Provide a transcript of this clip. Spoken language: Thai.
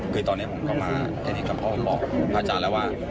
คือตอนนี้ผมก็มาเห็นกับพ่อบอกพระอาจารย์แล้วว่า